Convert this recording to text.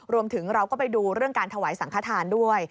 รวมถึงเราก็ไปดูเรื่องการถวายสังขทานด้วย